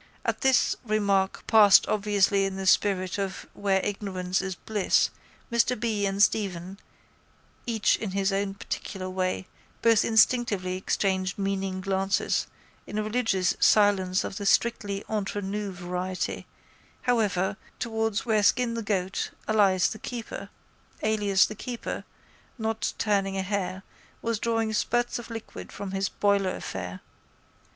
At this remark passed obviously in the spirit of where ignorance is bliss Mr B. and Stephen, each in his own particular way, both instinctively exchanged meaning glances, in a religious silence of the strictly entre nous variety however, towards where Skin the Goat, alias the keeper, not turning a hair, was drawing spurts of liquid from his boiler affair.